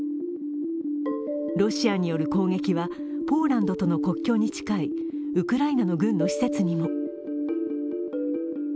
ロシアによる攻撃はポーランドとの国境に近いウクライナの軍の施設にも。